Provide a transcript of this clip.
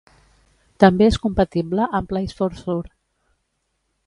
També és compatible amb PlaysForSure.